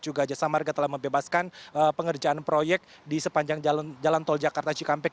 juga jasa marga telah membebaskan pengerjaan proyek di sepanjang jalan tol jakarta cikampek